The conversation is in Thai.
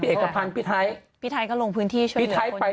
พี่เอกพันด์พี่ไทพี่ไทก็ลงพื้นที่ช่วยเหลือคนอยู่แล้ว